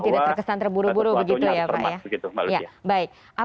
tidak terkesan terburu buru begitu ya pak ya